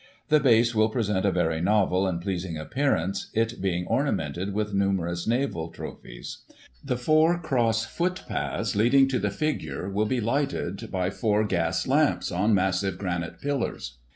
The base will present a very novel and pleasing appearance, it being ornamented with nimierous naval trophies. The four cross footpaths leading to the figure will be lighted by four gas lamps, on massive granite pillars.